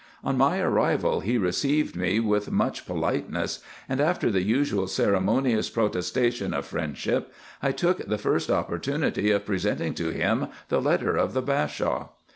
On my arrival he received me with much politeness ; and after the usual ceremonious protestation of friendship, I took the first opportunity of presenting to him the letter of the Bashaw.